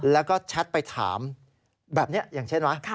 แล้วก็แชทไปถามแบบนี้อย่างเช่นไหม